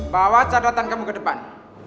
bawa catatan kamu ke depan